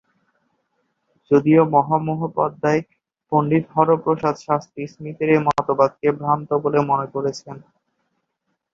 যদিও মহামহোপাধ্যায় পণ্ডিত হরপ্রসাদ শাস্ত্রী স্মিথের এই মতবাদকে ভ্রান্ত বলে মনে করেছেন।